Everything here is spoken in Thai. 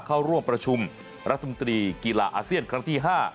เข้าร่วมประชุมรัฐมนตรีกีฬาอาเซียนครั้งที่๕